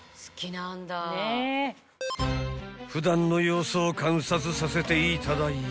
［普段の様子を観察させていただいた］